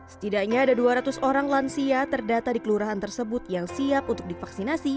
setidaknya ada dua ratus orang lansia terdata di kelurahan tersebut yang siap untuk divaksinasi